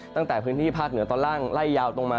ตั้งแต่พื้นที่ภาคเหนือตอนล่างไล่ยาวตรงมา